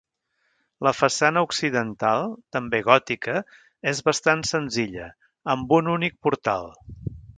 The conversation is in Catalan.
La façana occidental, també gòtica, és bastant senzilla, amb un únic portal.